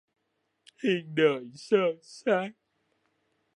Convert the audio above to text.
Hiên đời xơ xác